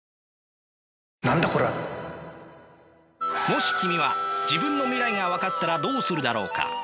もし君は自分の未来が分かったらどうするだろうか？